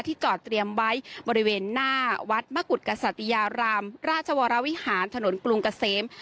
จอดเตรียมไว้บริเวณหน้าวัดมะกุฎกษัตยารามราชวรวิหารถนนกรุงเกษม